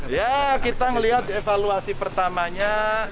ya kita melihat evaluasi pertamanya